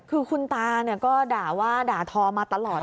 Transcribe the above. คือคุณตาก็ด่าว่าด่าทอมาตลอด